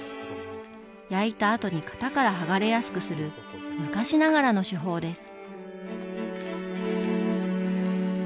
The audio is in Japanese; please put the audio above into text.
焼いたあとに型から剥がれやすくする昔ながらの手法です。